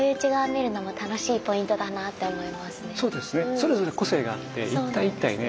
それぞれ個性があって一体一体ね